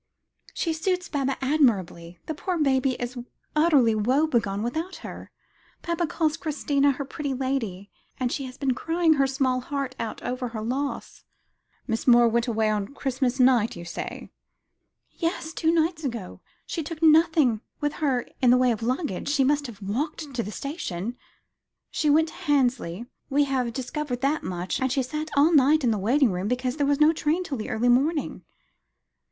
"She suits Baba admirably. The poor baby is utterly woebegone without her. Baba calls Christina her pretty lady; and she has been crying her small heart out over her loss." "Miss Moore went away on Christmas night, you say?" "Yes; two nights ago. She took nothing with her in the way of luggage. She must have walked to the station. She went to Hansley. We have discovered that much, and she sat all night in the waiting room, because there was no train till the early morning."